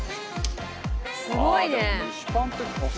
すごいねえ！